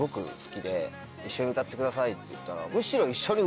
「一緒に歌ってください」って言ったら「むしろ」。